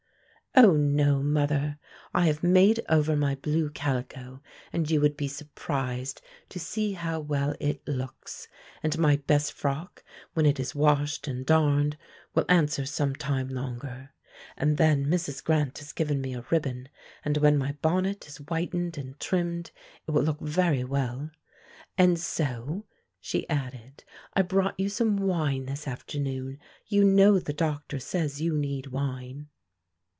"O, no, mother! I have made over my blue calico, and you would be surprised to see how well it looks; and my best frock, when it is washed and darned, will answer some time longer. And then Mrs. Grant has given me a ribbon, and when my bonnet is whitened and trimmed it will look very well. And so," she added, "I brought you some wine this afternoon; you know the doctor says you need wine."